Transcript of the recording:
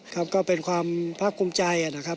ก็เป็นความพระคุมใจนะครับ